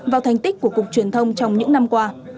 vào thành tích của cục truyền thông trong những năm qua